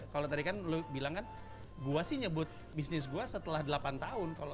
kalau tadi kan lo bilang kan gue sih nyebut bisnis gue setelah delapan tahun